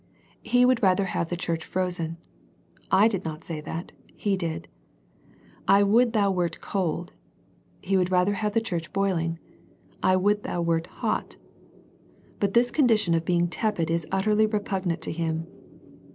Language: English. He would rather have the church frozen. I did not say that. He did. " I would thou wert cold." He would rather have the church boiling. " I would thou wert ... hot." But this condition of being tepid is utterly repugnant to Him.